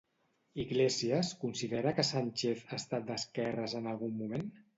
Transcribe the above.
Iglesias considera que Sánchez ha estat d'esquerres en algun moment?